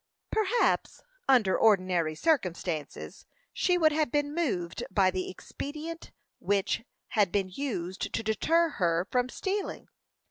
Perhaps, under ordinary circumstances, she would have been moved by the expedient which had been used to deter her from stealing.